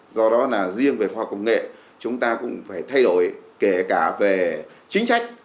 do đó là riêng về khoa học công nghệ chúng ta cũng phải thay đổi kể cả về chính sách